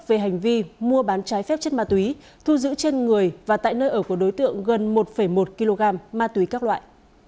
về hành vi mua bán trái phép chất ma túy thu giữ trên người và tại nơi ở của đối tượng gần một một kg ma túy các loại